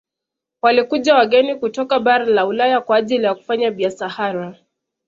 Walikuja wageni kutoka bara la ulaya kwa ajili ya kufanya biasahara